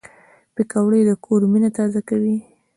پکورې د کور مینه تازه کوي